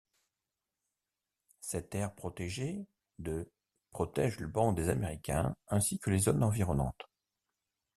Cette aire protégée de protège le banc des Américains ainsi que les zones environnante.